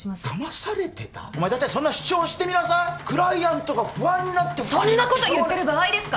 大体そんな主張してみなさいクライアントが不安になってそんなこと言ってる場合ですか！